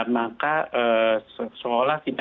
maka sekolah tidak